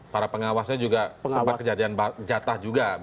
para pengawasnya juga sempat kejadian jatah juga